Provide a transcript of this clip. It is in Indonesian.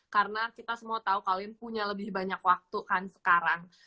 karena kita semua tahu kalian punya lebih banyak waktu kan sekarang